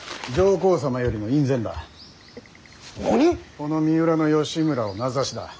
この三浦義村を名指しだ。